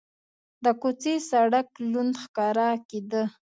د کوڅې سړک لوند ښکاره کېده.